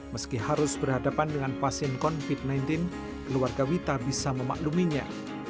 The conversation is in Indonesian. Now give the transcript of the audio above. meski harus berhadapan dengan pasien covid sembilan belas keluarga wita bisa memakluminya